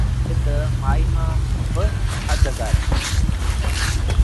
تڏهيݩ اُئي مآڻهوٚ ڇوڪري کي ڪهيآݩدي تا مآئيٚ مآݩ با اڌ ڪر